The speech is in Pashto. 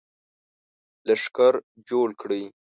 لښکر جوړ کړي.